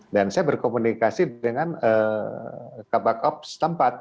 dan saya berkomunikasi dengan kapal kop setempat